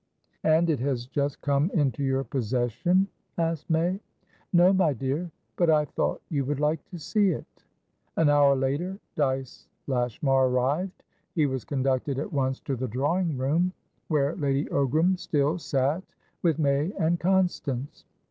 "And it has just come into your possession?" asked May. "No, my dear. But I thought you would like to see it." An hour later, Dyce Lashmar arrived. He was conducted at once to the drawing room, where Lady Ogram still sat with May and Constance.